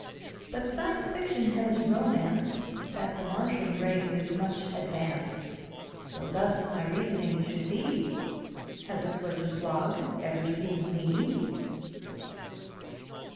But science fiction has romanced That the Martian race is much advanced; So thus my reasoning should be, Has a Flirtenflog ever seen ME??????